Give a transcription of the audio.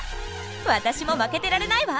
私も負けてられないわ！